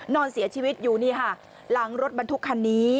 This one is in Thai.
นอนเสียชีวิตอยู่นี่ค่ะหลังรถบรรทุกคันนี้